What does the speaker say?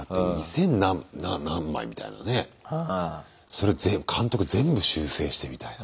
それ監督全部修正してみたいな。